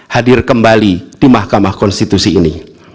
hadir kembali di mahkamah konstitusi ini